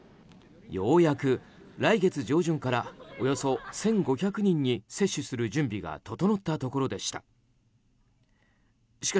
ようやく来月上旬からおよそ１５００人に接種する準備が整ったところでした。